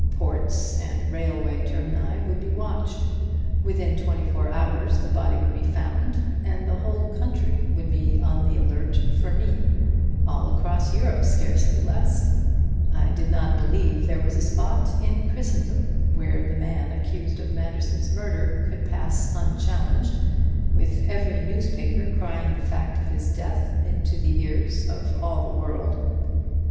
Ports and railway termini would be watched. Within twenty four hours the body would be found, and the whole country would be on the alert for me all Europe scarcely less; I did not believe there was a spot in Christendom where the man accused of Manderson's murder could pass unchallenged, with every newspaper crying the fact of his death into the ears of all the world.